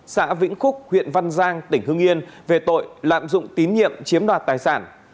xã vĩnh khúc huyện văn giang tỉnh hương yên về tội lạm dụng tín nhiệm chiếm đoạt tài sản